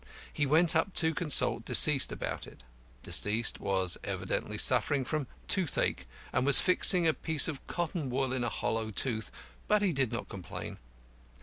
He went up to consult deceased about it. Deceased was evidently suffering from toothache, and was fixing a piece of cotton wool in a hollow tooth, but he did not complain.